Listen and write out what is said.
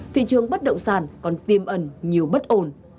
thị trường bất động sản còn tiêm ẩn nhiều bất ổn